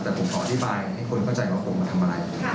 แต่ผมขออธิบายให้คนเข้าใจว่าผมมาทำอะไร